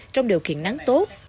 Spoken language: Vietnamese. trong điều kiện nắng tốt